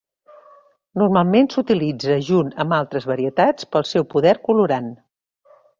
Normalment s'utilitza junt amb altres varietats pel seu poder colorant.